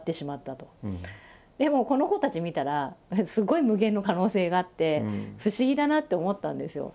でもこの子たち見たらすごい無限の可能性があって不思議だなって思ったんですよ。